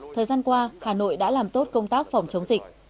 thời gian qua hà nội đã làm tốt công tác phòng chống dịch